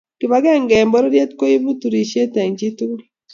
Kibakenge enh bororie koibuu turishe eng chi tugul.